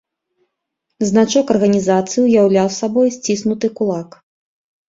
Значок арганізацыі уяўляў сабой сціснуты кулак.